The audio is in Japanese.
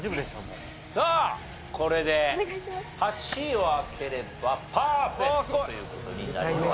さあこれで８位を開ければパーフェクトという事になります。